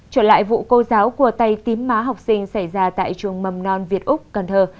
trở lại vụ cô giáo của tay tím má học sinh xảy ra tại trường mầm non việt úc cần thơ